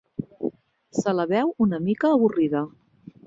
Se la veu una mica avorrida.